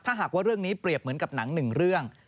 ถ้าหากว่าเรื่องนี้เปรียบเหมือนกับหนังหนึ่งเรื่อง